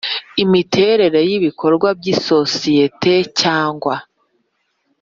Imiterere y ibikorwa by isosiyete cyangwa